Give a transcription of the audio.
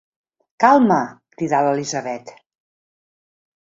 Calma! —crida l'Elisabet.